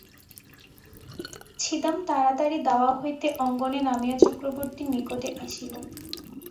ছিদাম তাড়াতাড়ি দাওয়া হইতে অঙ্গনে নামিয়া চক্রবর্তীর নিকটে আসিল।